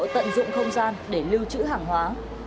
tận dụng không gian để lưu trữ hàng hóa